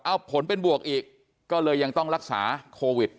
เอาผลเป็นบวกอีกก็เลยยังต้องรักษาโควิด